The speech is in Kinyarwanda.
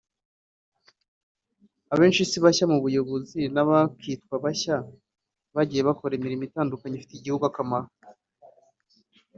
Abenshi si bashya mu buyobozi n’abakwitwa bashya bagiye bakora imirimo itandukanye ifitiye igihugu akamaro